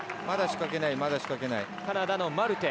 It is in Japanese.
まだ仕掛けないまだ仕掛けない。